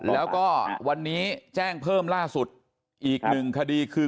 แล้วก็วันนี้แจ้งเพิ่มล่าสุดอีกหนึ่งคดีคือ